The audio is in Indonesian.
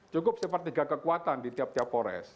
cukup sepertiga kekuatan di tiap tiap pores